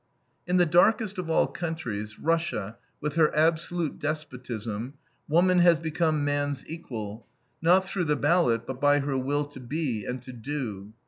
In the darkest of all countries, Russia, with her absolute despotism, woman has become man's equal, not through the ballot, but by her will to be and to do.